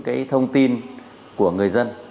hoặc là những thông tin của người dân